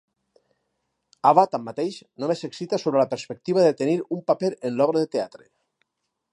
Ava, tanmateix, només s'excita sobre la perspectiva de tenir un paper en l'obra de teatre.